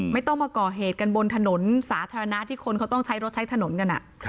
ไม่ต้องมาก่อเหตุกันบนถนนสาธารณะที่คนเขาต้องใช้รถใช้ถนนกัน